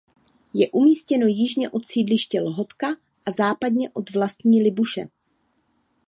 Je umístěno jižně od sídliště Lhotka a západně od vlastní Libuše.